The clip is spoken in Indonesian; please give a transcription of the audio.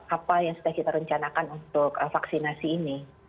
apa yang sudah kita rencanakan untuk vaksinasi ini